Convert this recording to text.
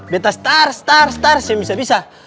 betas tar star star semisal misal